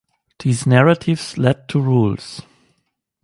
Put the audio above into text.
These narratives lead to rules.